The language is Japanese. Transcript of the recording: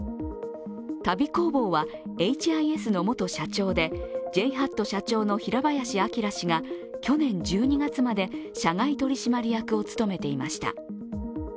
旅工房はエイチ・アイ・エスの元社長でＪＨＡＴ社長の平林朗氏が去年１２月まで社外取締役を務めていました。